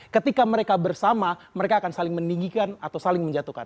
ketika mereka bersama mereka akan saling meninggikan atau saling menjatuhkan